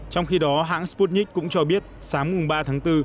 trong khi đó hãng sputnik cũng cho biết sáng ba tháng bốn